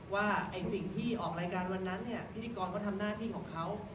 ว่าสิ่งที่ออกรายการวันนั้นเนี่ยพิธีกรเขาทำหน้าที่ของเขา